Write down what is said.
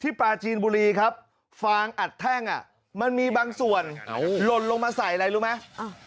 ปลาจีนบุรีครับฟางอัดแท่งมันมีบางส่วนหล่นลงมาใส่อะไรรู้ไหม